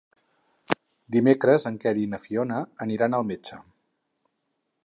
Dimecres en Quer i na Fiona aniran al metge.